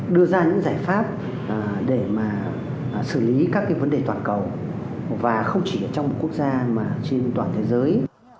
phật giáo có thể là cái giải pháp để xử lý các vấn đề toàn cầu và không chỉ trong một quốc gia mà trên toàn thế giới